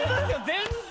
全然。